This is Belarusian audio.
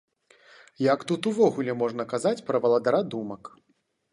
Як тут увогуле можна казаць пра валадара думак?